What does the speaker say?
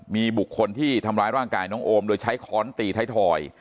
มีบุคคลที่ทำร้ายร่างกายน้องโอมโดยใช้ค้อนตีไทยทอย